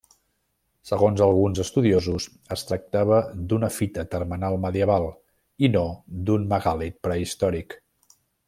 Segons alguns estudiosos, es tractava d'una fita termenal medieval, i no d'un megàlit prehistòric.